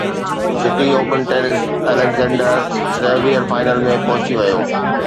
city open tennis Alexander Zverev final ۾ پهچي ويو